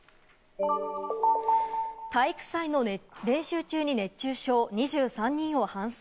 体育祭の練習中に熱中症、２３人を搬送。